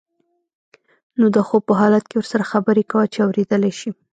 نو د خوب په حالت کې ورسره خبرې کوه چې اوریدلی شي.